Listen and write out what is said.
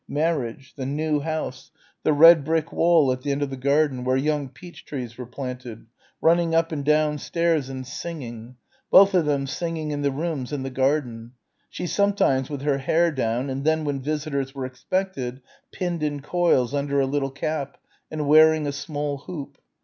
Marriage ... the new house ... the red brick wall at the end of the garden where young peach trees were planted ... running up and downstairs and singing ... both of them singing in the rooms and the garden ... she sometimes with her hair down and then when visitors were expected pinned in coils under a little cap and wearing a small hoop